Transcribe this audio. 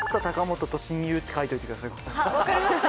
わかりました。